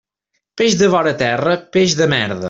Peix de vora terra, peix de merda.